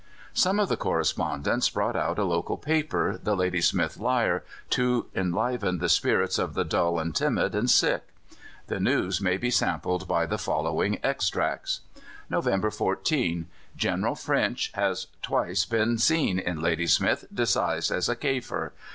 Some of the correspondents brought out a local paper, the Ladysmith Lyre, to enliven the spirits of the dull and timid and sick. The news may be sampled by the following extracts: "November 14. General French has twice been seen in Ladysmith disguised as a Kaffir.